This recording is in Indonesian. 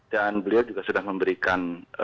dan beliau juga sudah memberikan